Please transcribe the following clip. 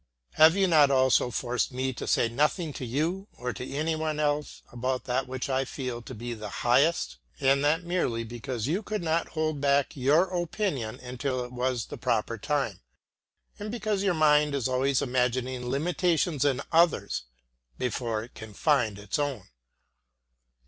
Have you not also forced me to say nothing to you, or to anyone else, about that which I feel to be the highest? And that merely because you could not hold back your opinion until it was the proper time, and because your mind is always imagining limitations in others before it can find its own.